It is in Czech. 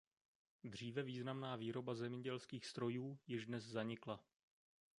Dříve významná výroba zemědělských strojů již dnes zanikla.